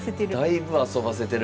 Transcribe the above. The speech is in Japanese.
だいぶ遊ばせてる。